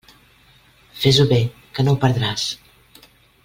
Fes-ho bé, que no ho perdràs.